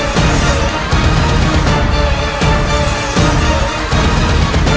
kau tidak akan sanggap